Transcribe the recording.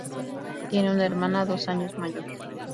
Tiene una hermana dos años mayor.